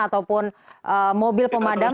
ataupun mobil pemadam